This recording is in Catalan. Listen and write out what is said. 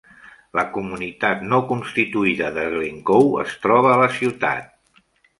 La comunitat no constituïda de Glencoe es troba a la ciutat.